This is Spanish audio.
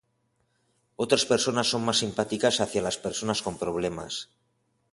Otras personas son más simpáticas hacia las personas con problemas.